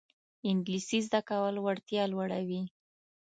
انګلیسي زده کول وړتیا لوړوي